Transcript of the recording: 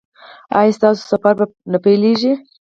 ایا ستاسو سفر به نه پیلیږي؟